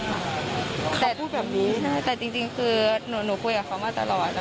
แต่พูดแบบนี้แต่จริงคือหนูคุยกับเขามาตลอด